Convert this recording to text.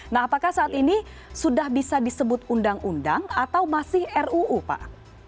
nah apakah saat ini sudah bisa disebut undang undang atau masih ruu pak